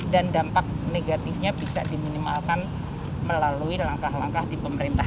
dan dampak negatifnya bisa diminimalkan melalui langkah langkah di pemerintah